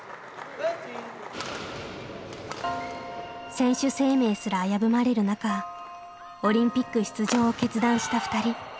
選手生命すら危ぶまれる中オリンピック出場を決断したふたり。